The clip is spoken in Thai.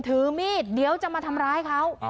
ถือมีดเดี๋ยวจะมาทำร้ายเขา